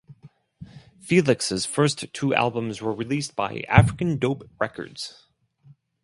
Felix's first two albums were released by African Dope Records.